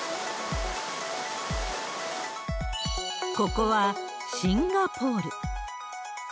ここはシンガポール。